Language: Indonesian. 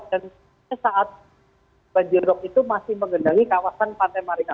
dan saat banjirok itu masih mengendali kawasan pantai marina